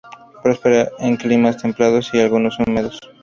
Prospera en climas templados y algo húmedos.